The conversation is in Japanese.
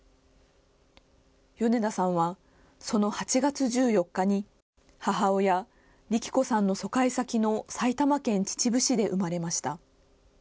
米田さんは、その８月１４日に母親、利起子さんの疎開先の埼玉県秩父市で生まれました。